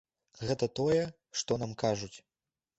Гэта тое, што нам кажуць.